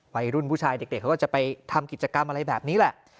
วัยรุ่นผู้ชายเด็กเขาก็จะไปทำกิจกรรมอะไรแบบนี้แหละ